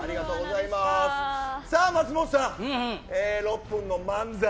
松本さん、６分の漫才